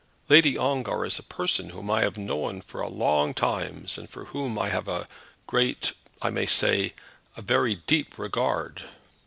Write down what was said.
"Lady Ongar is a person whom I have known for a long time, and for whom I have a great, I may say a very deep regard."